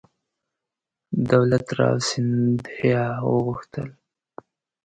دولت راو سیندهیا وغوښتل.